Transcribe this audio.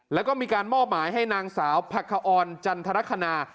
แล้วก็มีการมอบหมายให้นางสาวผักคออนจันทรคณา